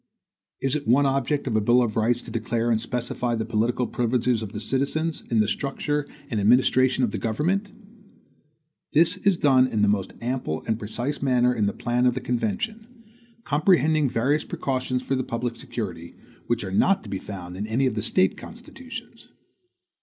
Is it one object of a bill of rights to declare and specify the political privileges of the citizens in the structure and administration of the government? This is done in the most ample and precise manner in the plan of the convention; comprehending various precautions for the public security, which are not to be found in any of the State constitutions.